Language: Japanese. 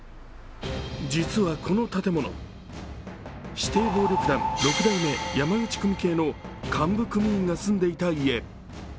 実は、この建物、指定暴力団・六代目山口組系の幹部組員が住んでいた家。